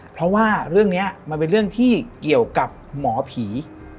เพราะว่าเรื่องนี้มันเป็นเรื่องที่เกี่ยวกับหมอผี